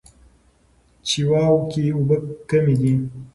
چیواوا کې اوبه کمې دي.